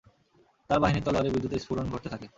তার বাহিনীর তলোয়ারে বিদ্যুতের স্ফুরণ ঘটতে থাকে।